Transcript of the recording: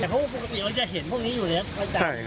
แต่พวกมันปกติจะเห็นพวกนี้อยู่แล้วไปจับ